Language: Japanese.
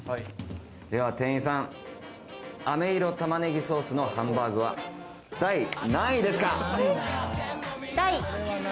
では店員さん、あめいろたまねぎソースのハンバーグは、第何位ですか？